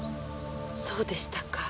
そうでしたか。